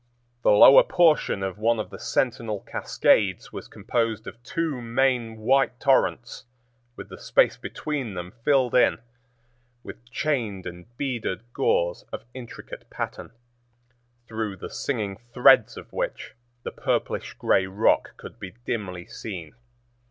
The lower portion of one of the Sentinel Cascades was composed of two main white torrents with the space between them filled in with chained and beaded gauze of intricate pattern, through the singing threads of which the purplish gray rock could be dimly seen.